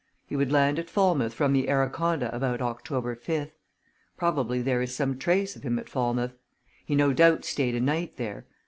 He would land at Falmouth from the Araconda about October 5th. Probably there is some trace of him at Falmouth. He no doubt stayed a night there.